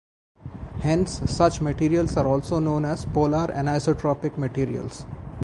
Hence, such materials are also known as "polar anisotropic" materials.